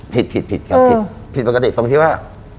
พิษเป็นตรงที่ว่า